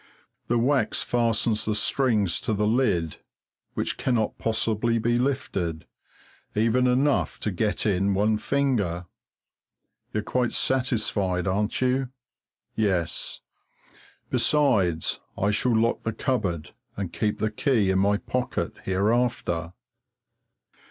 The wax fastens the strings to the lid, which cannot possibly be lifted, even enough to get in one finger. You're quite satisfied, aren't you? Yes. Besides, I shall lock the cupboard and keep the key in my pocket hereafter.